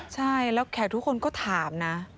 ใช่แล้วแขกทุกคนก็ถามนะ